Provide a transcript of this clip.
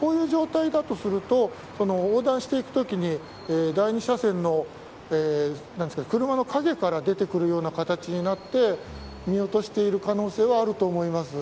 こういう状態だとすると横断していくときに第２車線の車の陰から出てくるような形になって見落としている可能性はあると思います。